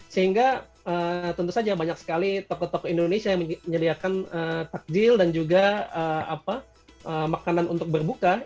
sehingga tentu saja banyak sekali tokoh tokoh indonesia yang menyediakan takjil dan juga makanan untuk berbuka